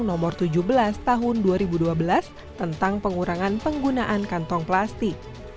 dan juga tentang nomor tujuh belas tahun dua ribu dua belas tentang pengurangan penggunaan kantong plastik